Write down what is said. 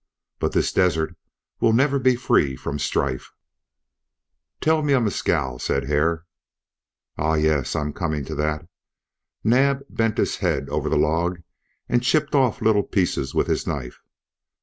But this desert will never be free from strife." "Tell me of Mescal," said Hare. "Ah! Yes, I'm coming to that." Naab bent his head over the log and chipped off little pieces with his knife.